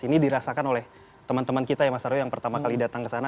ini dirasakan oleh teman teman kita ya mas aryo yang pertama kali datang ke sana